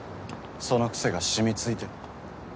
その癖が染みついてる。